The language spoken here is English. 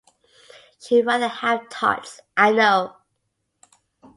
She'd rather have tarts, I know.